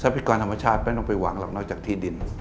พิกรธรรมชาติไม่ต้องไปหวังหรอกนอกจากที่ดิน